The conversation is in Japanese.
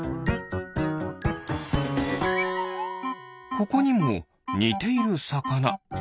ここにもにているさかな。